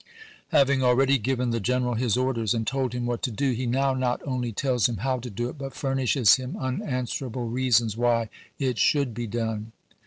Having already given the general his orders and told him what to do, he now not only tells him how to do it, but furnishes him un answerable reasons why it should be done.